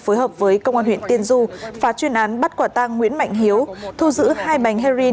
phối hợp với công an huyện tiên du phá chuyên án bắt quả tang nguyễn mạnh hiếu thu giữ hai bánh heroin